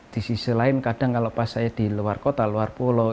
di sisi lain kadang kalau pas saya di luar kota luar pulau